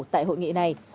tại hội nghị này